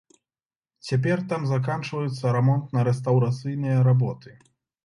Цяпер там заканчваюцца рамонтна-рэстаўрацыйныя работы.